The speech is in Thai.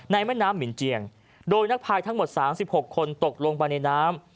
แม่น้ำหินเจียงโดยนักภายทั้งหมด๓๖คนตกลงไปในน้ำ